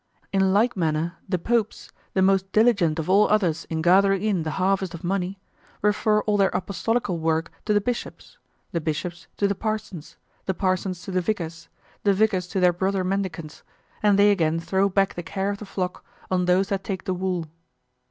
In like manner the popes, the most diligent of all others in gathering in the harvest of money, refer all their apostolical work to the bishops, the bishops to the parsons, the parsons to the vicars, the vicars to their brother mendicants, and they again throw back the care of the flock on those that take the wool.